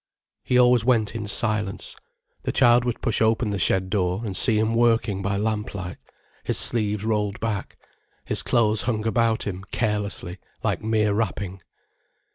He always went in silence. The child would push open the shed door, and see him working by lamplight, his sleeves rolled back. His clothes hung about him, carelessly, like mere wrapping.